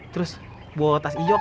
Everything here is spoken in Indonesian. terus bawa tas ijo ke gak